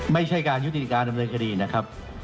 ไม่ใช่การยุติการดำเนินคดีนะครับ